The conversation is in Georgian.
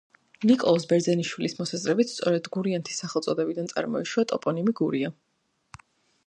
ნიკოლოზ ბერძენიშვილის მოსაზრებით, სწორედ გურიანთის სახელწოდებიდან წარმოიშვა ტოპონიმი გურია.